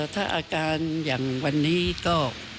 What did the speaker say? ถ้าอาการอย่างวันนี้ก็